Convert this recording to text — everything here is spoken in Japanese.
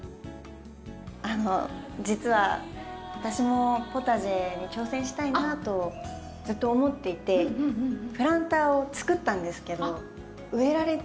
あの実は私もポタジェに挑戦したいなとずっと思っていてプランターを作ったんですけど植えられていなくて。